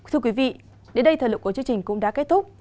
thưa quý vị đến đây thời lượng của chương trình cũng đã kết thúc